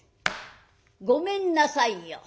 「ごめんなさいよ。